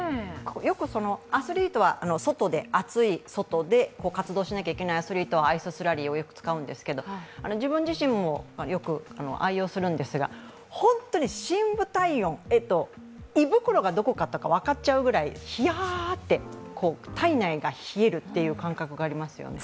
よくアスリートは暑い外で活動しなければいけないアスリートはアイススラリーよく使うんですが自分自身もよく、愛用するんですが、本当に深部体温、胃袋がどこだか分かっちゃうくらいひやって、体内が冷えるという感覚がありますよね。